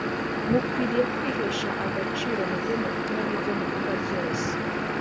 mukwiriye kwihesha agaciro mubyo mukora nibyo muvuga byose